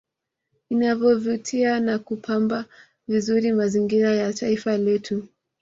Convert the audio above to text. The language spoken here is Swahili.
Inayovutia na kupamba vizuri mazingira ya taifa letu